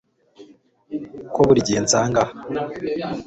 ko buri gihe nsanga aho